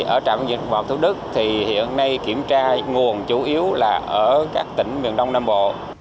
ở trạm dịch vọng thủ đức thì hiện nay kiểm tra nguồn chủ yếu là ở các tỉnh miền đông nam bộ